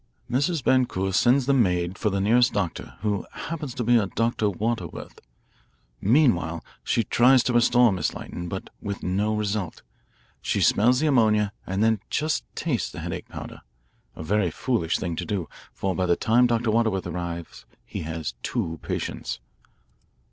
Mrs. Boncour sends the maid for the nearest doctor, who happens to be a Dr. Waterworth. Meanwhile she tries to restore Miss Lytton, but with no result. She smells the ammonia and then just tastes the headache powder, a very foolish thing to do, for by the time Dr. Waterworth arrives he has two patients."